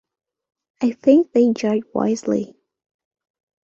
I think they judge wisely.